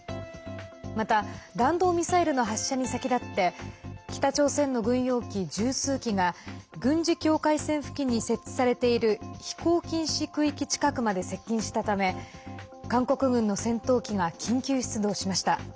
また、弾道ミサイルの発射に先立って北朝鮮の軍用機、十数機が軍事境界線付近に設置されている飛行禁止区域近くまで接近したため韓国軍の戦闘機が緊急出動しました。